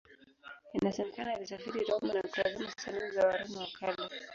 Inasemekana alisafiri Roma na kutazama sanamu za Waroma wa Kale.